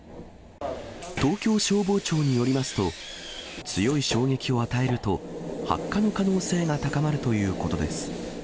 東京消防庁によりますと、強い衝撃を与えると、発火の可能性が高まるということです。